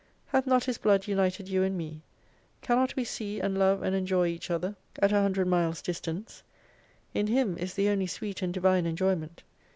Hath not His blood united you and me, cannot we sec and love and enjoy each other at a hundred miles dis 59 tancc ? In Him is the only sweet and divine enjoyment.